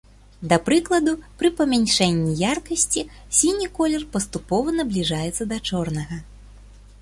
Да прыкладу, пры памяншэнні яркасці сіні колер паступова набліжаецца да чорнага.